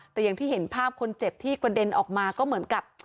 แต่อย่างที่เห็นภาพคนเจ็บที่กระเด็นออกมาก็เหมือนกับ